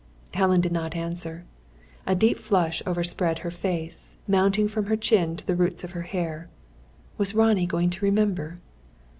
Helen did not answer. A deep flush overspread her face, mounting from her chin to the roots of her hair. Was Ronnie going to remember?